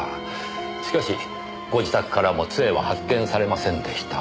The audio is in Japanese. しかしご自宅からも杖は発見されませんでした。